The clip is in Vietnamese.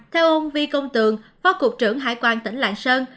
theo ông vi công tường phó cục trưởng hải quan tỉnh lạng sơn